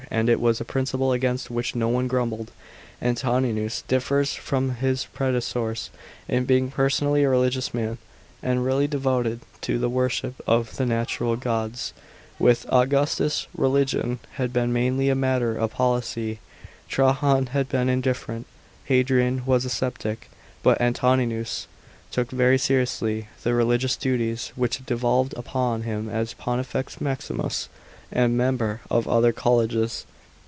And it was a principle against which no one grumbled. § 7. Antoninus differs from his predecessors in being personally a religious man, and really devoted to the worship of the national gods. With Augustus religion had been mainly a matter of policy. Trajan had been indifferent; Hadrian was a sceptic. But Antoninus took very seriously the religious duties which devolved upon him as Pontifex Maximus, and member of other colleges.